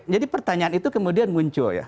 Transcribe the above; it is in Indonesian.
jadi pertanyaan itu kemudian muncul ya